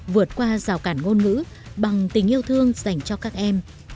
vượt qua rào cản ngôn ngữ bằng tình yêu thương dành cho các em